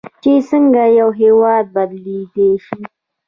چې څنګه یو هیواد بدلیدلی شي.